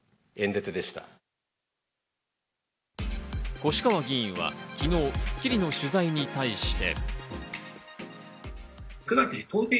越川議員は昨日『スッキリ』の取材に対して。